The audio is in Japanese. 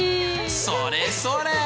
それそれ！